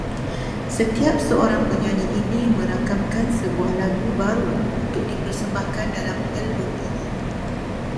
Setiap seorang penyanyi ini merakamkan sebuah lagu baru untuk di persembahkan dalam album ini